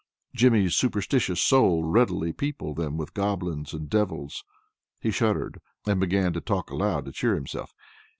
Jimmy's superstitious soul readily peopled them with goblins and devils. He shuddered, and began to talk aloud to cheer himself.